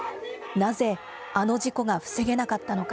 なぜあの事故が防げなかったのか。